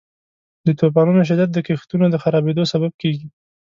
د طوفانونو شدت د کښتونو د خرابیدو سبب کیږي.